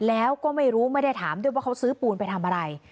แล้วก็ไม่รู้ไม่ได้ถามด้วยว่าเขาซื้อปูนไปทำอะไร